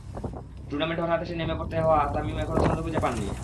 টুর্নামেন্টে হঠাৎ এসে নেমে পড়তে হওয়া তামিম এখনো ছন্দটা খুঁজে পাননি।